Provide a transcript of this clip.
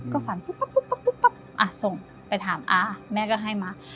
ก็ฝันปุ๊บป๊บปุ๊บป๊บปุ๊บอ่ะส่งไปถามอ่ะแม่ก็ให้มา